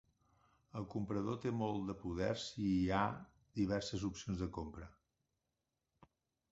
El comprador té molt de poder si hi ha diverses opcions de compra.